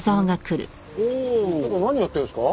ちょっと何やってるんですか？